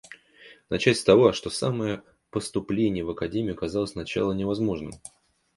Начать с того, что самое поступление в академию казалось сначала невозможным.